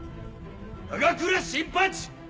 永倉新八。